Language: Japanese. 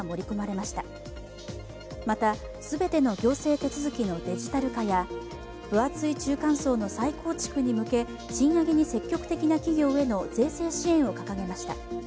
また、全ての行政手続のデジタル化や分厚い中間層の再構築に向け、賃上げに積極的な企業への税制支援を掲げました。